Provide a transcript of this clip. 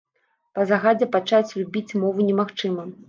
Па загадзе пачаць любіць мову немагчыма.